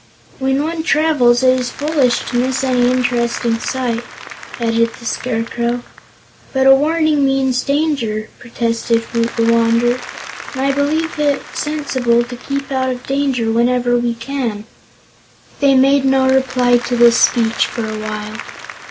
"When one travels, it is foolish to miss any interesting sight," added the Scarecrow. "But a warning means danger," protested Woot the Wanderer, "and I believe it sensible to keep out of danger whenever we can." They made no reply to this speech for a while.